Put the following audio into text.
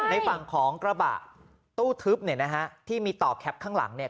ในฝั่งของกระบะตู้ทึบเนี่ยนะฮะที่มีต่อแคปข้างหลังเนี่ย